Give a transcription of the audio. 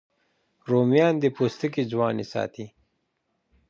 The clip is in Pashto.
رومیان د پوستکي ځواني ساتي